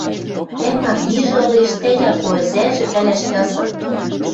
Тӓ Марйижӹ ылеш, тӓ Яко ӹзӓжӹ, пӓлӓш ясы.